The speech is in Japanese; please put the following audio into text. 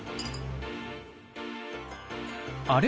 あれ？